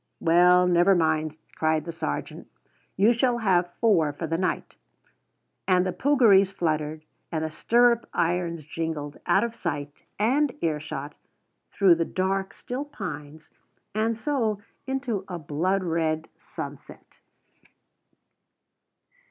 "Well, never mind," cried the sergeant. "You shall have four for the night." And the puggarees fluttered, and the stirrup irons jingled, out of sight and earshot, through the dark still pines, and so into a blood red sunset.